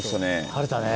張れたね。